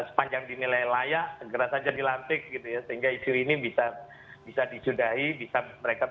sepanjang dinilai layak segera saja dilantik gitu ya sehingga isu ini bisa bisa disudahi bisa mereka